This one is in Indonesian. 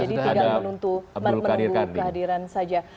jadi tidak menuntut menunggu kehadiran saja